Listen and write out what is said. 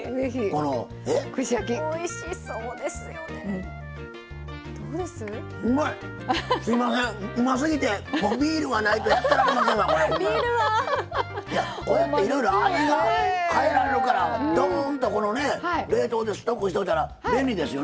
これっていろいろ味が変えられるからドーンとこのね冷凍でストックしといたら便利ですよね。